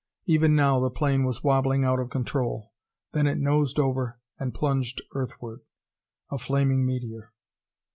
Even now the plane was wobbling out of control ... then it nosed over and plunged earthward, a flaming meteor.